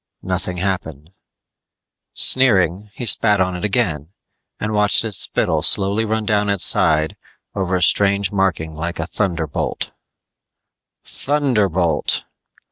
Nothing happened. Sneering, he spat on it again and watched his spittle slowly run down its side over a strange marking like a thunderbolt Thunderbolt!